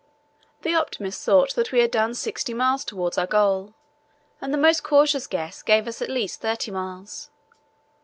The optimists thought that we had done sixty miles towards our goal, and the most cautious guess gave us at least thirty miles.